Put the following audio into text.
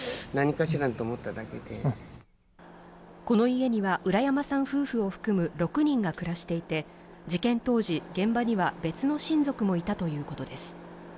この家には浦山さん夫婦を含む６人が暮らしていて、事件当時、現場には別の親族もいたということです。